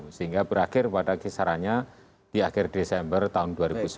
sehingga berakhir pada kisarannya di akhir desember tahun dua ribu sembilan belas